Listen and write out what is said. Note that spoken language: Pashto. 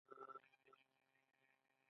د ترنجبین د ماشوم د قبضیت لپاره وکاروئ